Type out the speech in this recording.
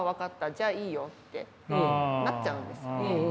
じゃあいいよ」ってなっちゃうんですよね。